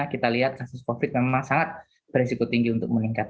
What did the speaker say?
kita lihat kasus covid memang sangat beresiko tinggi untuk meningkat